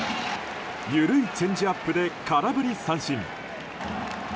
緩いチェンジアップで空振り三振。